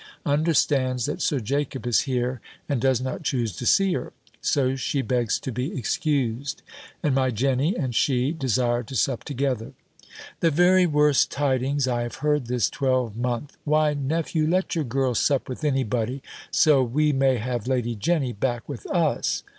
understands that Sir Jacob is here, and does not choose to see her; so she begs to be excused; and my Jenny and she desire to sup together." "The very worst tidings I have heard this twelvemonth. Why, nephew, let your girl sup with any body, so we may have Lady Jenny back with us."